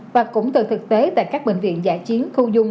và cũng từ thực tế tại các bệnh viện giả chiến khu dung